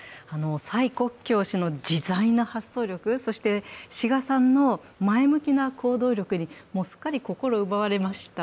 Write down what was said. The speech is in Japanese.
蔡國強氏の自在な発想力、そして志賀さんの前向きな行動力に、すっかり心を奪われました。